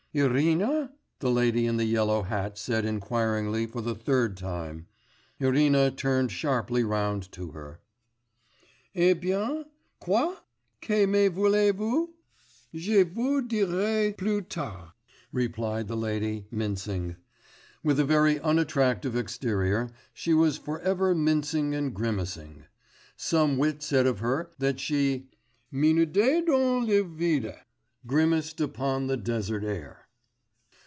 'Irène?' the lady in the yellow hat said inquiringly for the third time. Irina turned sharply round to her. 'Eh bien? quoi? que me voulez vous?' 'Je vous dirai plus tard,' replied the lady, mincing. With a very unattractive exterior, she was for ever mincing and grimacing. Some wit said of her that she 'minaudait dans le vide,' 'grimaced upon the desert air.